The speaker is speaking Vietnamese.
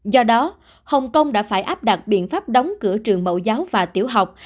do đó hồng kông đã phải áp đặt biện pháp đóng cửa trường mẫu giáo và tiểu học